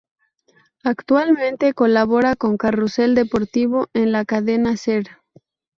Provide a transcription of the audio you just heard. Actualmente colabora con ‘Carrusel Deportivo’ en la Cadena Ser.